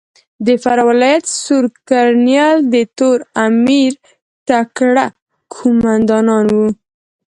د فراه ولایت سور کرنېل د تور امیر تکړه کومندان ؤ.